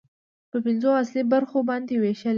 په پنځو اصلي برخو باندې ويشلې ده